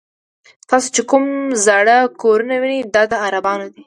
تاسې چې کوم زاړه کورونه وینئ دا د عربانو دي.